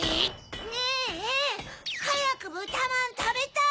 ねぇはやくぶたまんたべたい！